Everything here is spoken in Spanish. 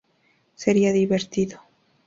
Sería divertido.